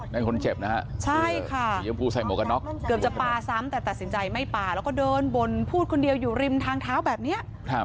นั่นคนเจ็บนะคะใช่ค่ะเกือบจะปลาซ้ำแต่ตัดสินใจไม่ปลาแล้วก็เดินบนพูดคนเดียวอยู่ริมทางเท้าแบบนี้